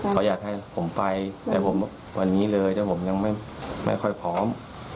เขาอยากให้ผมไปแต่ผมวันนี้เลยแต่ผมยังไม่ค่อยพร้อม